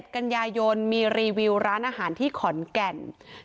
กันยายนมีรีวิวร้านอาหารที่ขอนแก่น